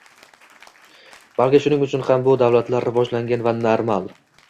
Balki shuning uchun ham bu davlatlar rivojlangan va normal